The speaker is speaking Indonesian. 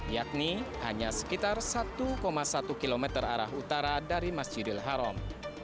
yakni hanya sekitar satu satu km arah utara dari masjidil haram